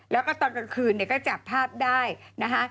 แล้วก็ตอนกลางคืนเนี่ยก็จับภาพได้นะคะ